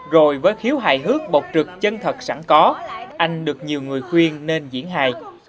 rồi với khiếu hài hước bột trực chân thật sẵn có anh được nhiều người khuyên nên diễn hài